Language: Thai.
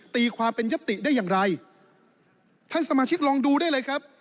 ตีความเป็นยัตติได้อย่างไรท่านสมาชิกลองดูได้เลยครับ